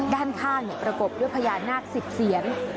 ด้านข้างประกบด้วยพญานาค๑๐เสียน